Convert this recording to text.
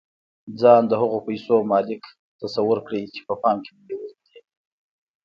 ځان د هغو پيسو مالک تصور کړئ چې په پام کې مو نيولې دي.